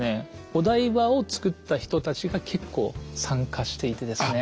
お台場を造った人たちが結構参加していてですね。